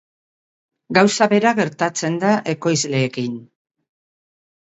Gauza bera gertatzen da ekoizleekin.